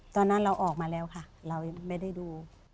ตอนนั้นเราออกมาแล้วค่ะเราไม่ได้ดู